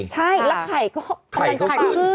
ใช่แล้วไข่ก็ปรับ